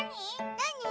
なに？